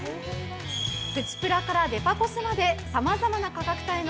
プチプラからデパコスまでさまざまな価格帯の